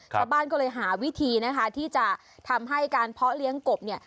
ชาวบ้านก็เลยหาวิธีนะคะที่จะทำให้การเพาะเลี้ยงกบเนี่ย